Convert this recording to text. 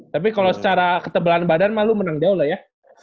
tapi kalo secara ketebalan badan mah lu menang jauh lah ya